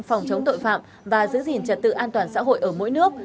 phòng chống tội phạm và giữ gìn trật tự an toàn xã hội ở mỗi nước